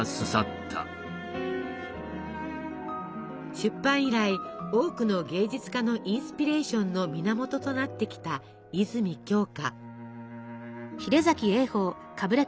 出版以来多くの芸術家のインスピレーションの源となってきた泉鏡花。